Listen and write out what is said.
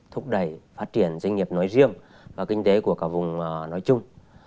thúc đẩy phát triển doanh nghiệp nói riêng và kinh tế của cả vùng nói chung